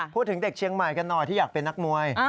เด็กเชียงใหม่กันหน่อยที่อยากเป็นนักมวย